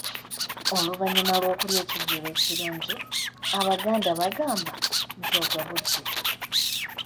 Oluvannyuma lw’okulya ekijjulo ekirungi abaganda bagamba nti ogabudde.